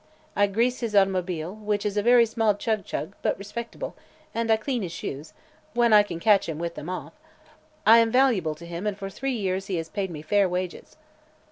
I grease his automobile, which is a very small chug chug, but respectable, and I clean his shoes when I can catch him with them off. I am valuable to him and for three years he has paid me fair wages."